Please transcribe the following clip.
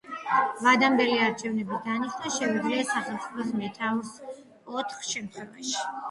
ვადამდელი არჩევნების დანიშვნა შეუძლია სახელმწიფოს მეთაურს ოთხ შემთხვევაში.